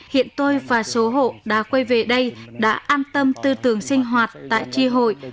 hiện tôi và số hộ đã quay về đây đã an tâm tư tưởng sinh hoạt tại tri hội